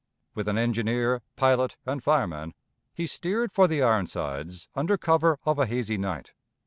With an engineer, pilot, and fireman, he steered for the Ironsides under cover of a hazy night.